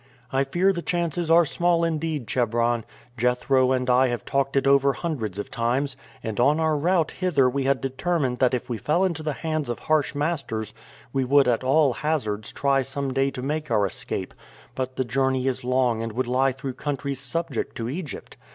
"I fear the chances are small indeed, Chebron. Jethro and I have talked it over hundreds of times, and on our route hither we had determined that if we fell into the hands of harsh masters, we would at all hazards try some day to make our escape; but the journey is long and would lie through countries subject to Egypt.